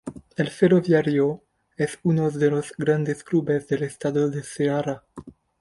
El Ferroviário es uno de los tres grandes clubes del estado de Ceará.